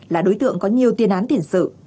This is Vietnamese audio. là đối tượng có nhiều tiên án tiền sự